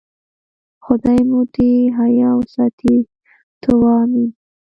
خدای مو دې حیا وساتي، ته وا آمین.